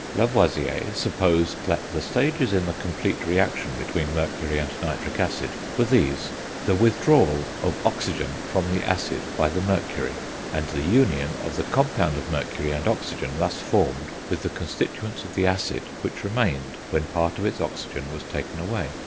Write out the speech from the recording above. Lavoisier supposed that the stages in the complete reaction between mercury and nitric acid were these: the withdrawal of oxygen from the acid by the mercury, and the union of the compound of mercury and oxygen thus formed with the constituents of the acid which remained when part of its oxygen was taken away.